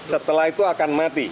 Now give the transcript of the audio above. setelah itu akan mati